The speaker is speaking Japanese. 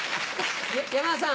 山田さん